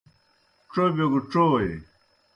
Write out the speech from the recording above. ڇوبِیو گہ ڇوئے۔